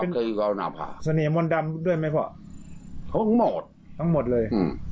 สรรโกรธ์ทำดำซะด้วยไหมพ่อทั้งหมดทั้งหมดเลยฮึ